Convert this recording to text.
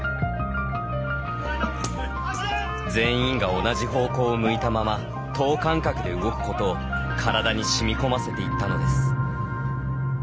全員が同じ方向を向いたまま等間隔で動くことを体にしみこませていったのです。